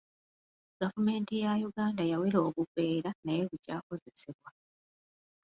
Gavumenti ya Uganda yawera obuveera naye bukyakozesebwa.